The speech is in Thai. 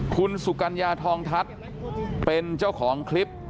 คุณสุกัญญาทองทัศน์เป็นเจ้าของคลิป